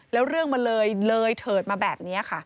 แล้วเรื่องเลยเถิดมาแบบนี้